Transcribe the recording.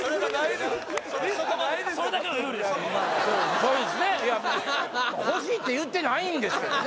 そうですねいやほしいって言ってないんですけどね